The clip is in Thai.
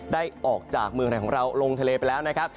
ได้ออกจากเมืองไทยของเราลงทะเลไปแล้วนะครับ